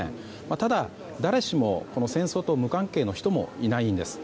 ただ、誰しもこの戦争と無関係の人はいないんです。